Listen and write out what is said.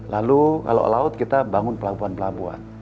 lalu kalau laut kita bangun pelabuhan pelabuhan